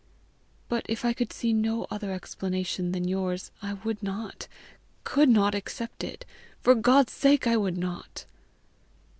But if I could see no other explanation than yours, I would not, could not accept it for God's sake I would not."